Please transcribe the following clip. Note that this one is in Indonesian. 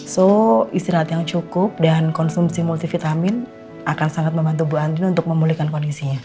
so istirahat yang cukup dan konsumsi multivitamin akan sangat membantu bu andri untuk memulihkan kondisinya